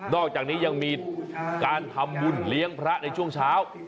อกจากนี้ยังมีการทำบุญเลี้ยงพระในช่วงเช้า